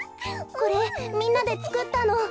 これみんなでつくったの。